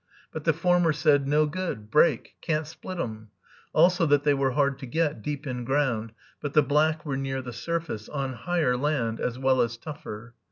But the former said, "No good, break, can't split 'em;" also that they were hard to get, deep in ground, but the black were near the surface, on higher land, as well as tougher.